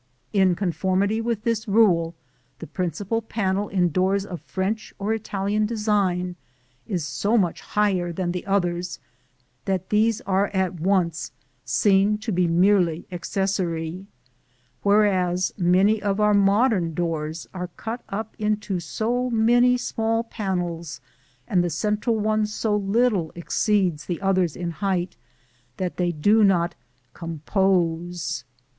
In conformity with this rule, the principal panel in doors of French or Italian design is so much higher than the others that these are at once seen to be merely accessory; whereas many of our modern doors are cut up into so many small panels, and the central one so little exceeds the others in height, that they do not "compose."